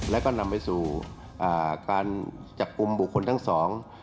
แล้วก็นำไปสู่อ่าการจับกลุ่มบุคคลทั้งสอง